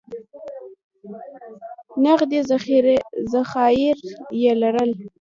نغدي ذخایر یې لرل.